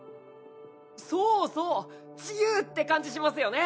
そうそう！自由！って感じしますよね！